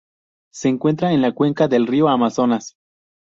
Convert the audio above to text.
Se encuentra en la cuenca del río Amazonas.